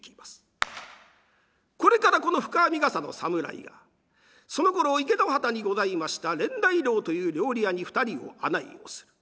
これからこの深編みがさの侍がそのころ池之端にございましたれんだいろうという料理屋に２人を案内をする。